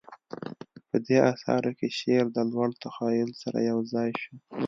په دې اثارو کې شعر د لوړ تخیل سره یوځای شو